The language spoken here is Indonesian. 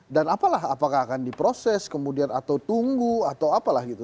dan apalah apakah akan diproses kemudian atau tunggu atau apalah gitu